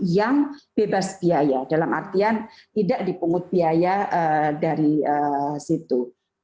yang bebas biaya dalam artian tidak dipungut biaya dari situ